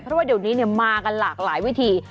เพราะว่าเดี๋ยวนี้มากันหลากหลายวิธี